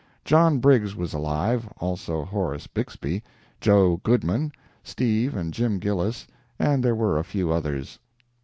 John Briggs was alive, also Horace Bixby, "Joe" Goodman, Steve and Jim Gillis, and there were a few others.